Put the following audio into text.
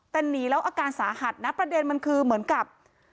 แต่หนีแล้วอาการสาหัสนะประเด็นมันคือเหมือนกับ